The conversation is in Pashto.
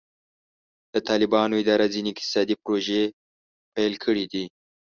د طالبانو اداره ځینې اقتصادي پروژې پیل کړي دي.